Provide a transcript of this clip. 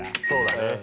そうだね。